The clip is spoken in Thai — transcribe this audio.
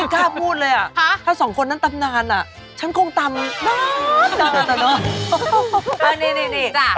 ตอนที่เข้าพวกเรายังไม่เกิดนะ